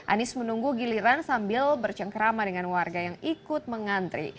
anies menunggu giliran sambil bercengkerama dengan warga yang ikut mengantri